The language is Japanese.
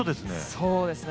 そうですね。